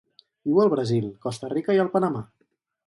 Viu al Brasil, Costa Rica i el Panamà.